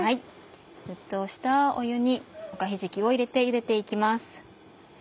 沸騰した湯におかひじきを入れてゆでて行きます。